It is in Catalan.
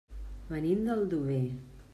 Venim d'Aldover.